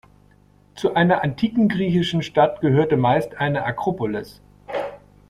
Zu einer antiken griechischen Stadt gehörte meist eine Akropolis.